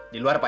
di luar pak